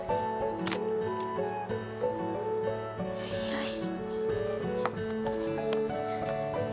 よし。